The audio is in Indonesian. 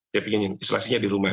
dia ingin isolasinya di rumah